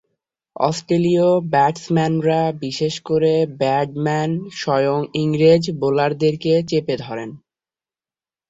অস্ট্রেলীয় ব্যাটসম্যানেরা বিশেষ করে ব্র্যাডম্যান স্বয়ং ইংরেজ বোলারদেরকে চেপে ধরেন।